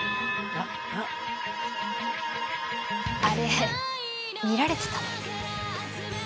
あれ見られてたの？